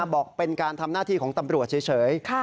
บอกเป็นการทำหน้าที่ของตำรวจเฉย